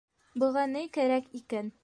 Быға ни кәрәк икән?